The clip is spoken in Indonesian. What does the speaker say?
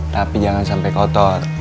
tapi jangan sampai kotor